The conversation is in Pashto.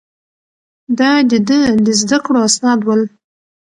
دا د ده د زده کړو اسناد ول.